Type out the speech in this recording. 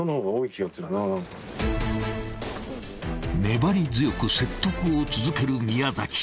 ［粘り強く説得を続ける宮。